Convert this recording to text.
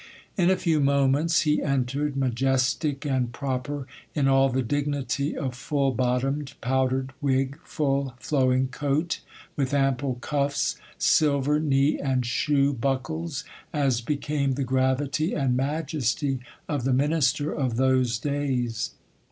In a few moments he entered, majestic and proper, in all the dignity of full buttomed, powdered wig, full, flowing coat, with ample cuffs, silver knee and shoe buckles, as became the gravity and majesty of the minister of those days.